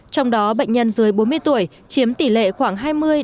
trong đó bệnh nhân dưới bốn mươi tuổi chiếm tỷ lệ khoảng hai mươi hai mươi năm